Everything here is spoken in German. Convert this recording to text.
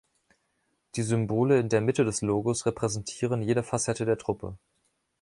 Die Symbole in der Mitte des Logos repräsentieren jede Facette der Truppe.